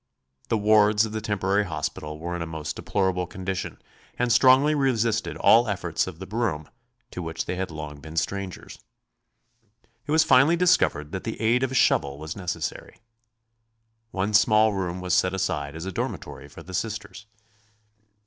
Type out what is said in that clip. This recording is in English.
The wards of the temporary hospital were in a most deplorable condition and strongly resisted all efforts of the broom, to which they had long been strangers. It was finally discovered that the aid of a shovel was necessary. One small room was set aside as a dormitory for the Sisters.